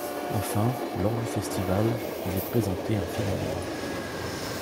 Enfin, lors du festival, il est présenté un film noir.